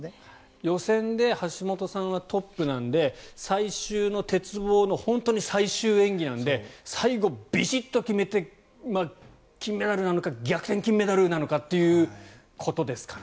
予選で橋本さんはトップなので最終の鉄棒の本当に最終演技なので最後、ビシッと決めて金メダルなのか逆転金メダルなのかということですかね。